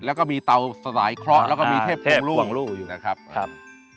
แล้วก็มีเตาสลายเคราะห์แล้วก็มีเทพควงรู้อยู่นะครับ